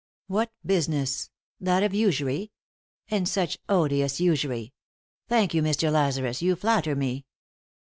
" What business ? That of usury ? And such odious usury I Thank you, Mr. Lazarus, you flatter me."